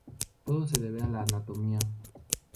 Todo se debe a la anatomía.